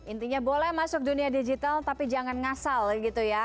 intinya boleh masuk dunia digital tapi jangan ngasal gitu ya